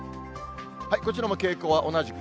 こちらも傾向は同じく。